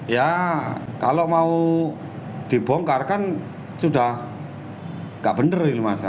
ya kalau mau dibongkar kan sudah nggak bener ini masalah